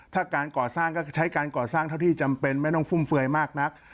ถ้าการก่อสร้างก็ใช้การก่อสร้างเท่าที่จำเป็นไม่ต้องฟุ่มเฟือยมากนัก